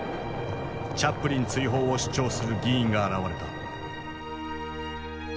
チャップリン追放を主張する議員が現れた。